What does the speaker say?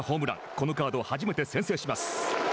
このカード、初めて先制します。